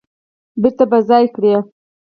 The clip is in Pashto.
بیرته په ځای کړي